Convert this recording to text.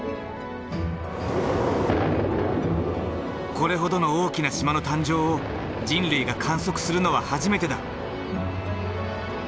これほどの大きな島の誕生を人類が観測するのは初めてだ。